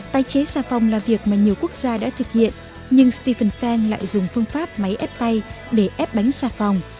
tái chế xà phòng là việc mà nhiều quốc gia đã thực hiện nhưng stephen fang lại dùng phương pháp máy ép tay để ép bánh xà phòng